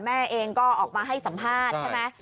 แม่เองก็ออกมาให้สัมภาษณ์ใช่ไหม